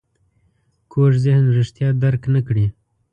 کوږ ذهن رښتیا درک نه کړي